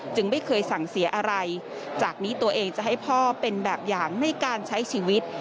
ไม่เคยสั่งเสียอะไรจากนี้ตัวเองจะให้พ่อเป็นแบบอย่างในการใช้ชีวิต